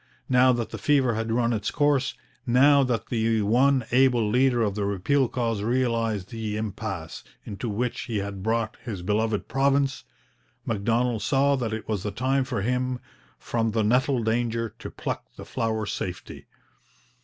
Now that the fever had run its course, now that the one able leader of the repeal cause realized the impasse into which he had brought his beloved province, Macdonald saw that it was the time for him 'from the nettle danger to pluck the flower safety.'